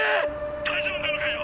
⁉大丈夫なのかよ